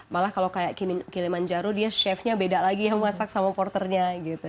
malah kalau kayak kileman jaro dia chef nya beda lagi yang masak sama porter nya gitu